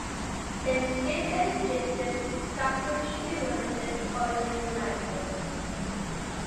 Instead they suggested suffrage should be limited only to landholders.